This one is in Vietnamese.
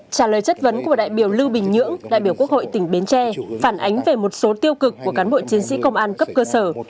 trả lời chất vấn của đại biểu lưu bình nhưỡng đại biểu quốc hội tỉnh bến tre phản ánh về một số tiêu cực của cán bộ chiến sĩ công an cấp cơ sở